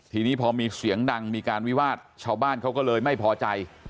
ทีนี้พอมีเสียงดังมีการวิวาสชาวบ้านเขาก็เลยไม่พอใจ